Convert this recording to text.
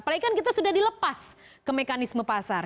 palaikan kita sudah dilepas ke mekanisme pasar